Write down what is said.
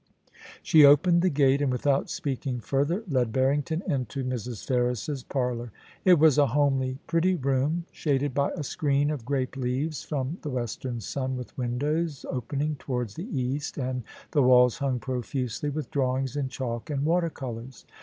* /She opened the gate, and without speaking further led Barrington into Mrs. Ferris's parlour. It was a homely, pretty room, shaded by a screen of grape leaves from the western sun, with windows opening towards the east, and the walls hung profusely with drawings in chalk and water colours.